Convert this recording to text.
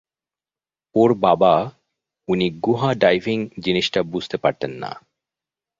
ওর বাবা, উনি গুহা ডাইভিং জিনিসটা বুঝতে পারতেন না।